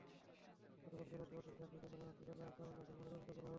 গতকাল বেলা সোয়া তিনটার দিকে সদর হাসপাতালে আকরামের লাশের ময়নাতদন্ত করা হয়।